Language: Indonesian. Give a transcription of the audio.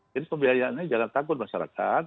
jadi pembiayaannya jangan takut masyarakat